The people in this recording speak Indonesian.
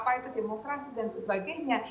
apa itu demokrasi dan sebagainya